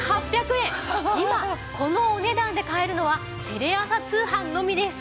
今このお値段で買えるのはテレ朝通販のみです。